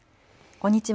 こんにちは。